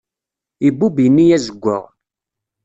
Ibubb ini azeggwaɣ.